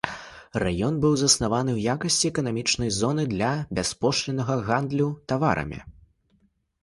Раён быў заснаваны ў якасці эканамічнай зоны для бяспошліннага гандлю таварамі.